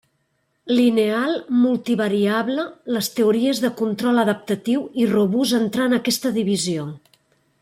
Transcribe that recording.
Lineal, multivariable, les teories de control adaptatiu i robust entrar en aquesta divisió.